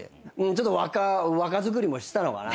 ちょっと若作りもしてたのかな。